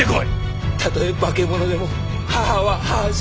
たとえ化け物でも母は母じゃ！